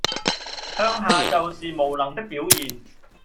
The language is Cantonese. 向下就是無能的表現